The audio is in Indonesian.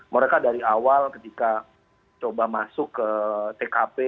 mereka dari awal ketika coba masuk ke tkp